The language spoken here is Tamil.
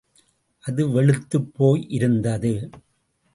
அது வெளுத்துப் போய் இருந்தது.